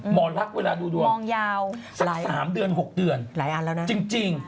หมอลักษณ์เวลาดูดวงสัก๓เดือน๖เดือนจริงหลายอันแล้วนะ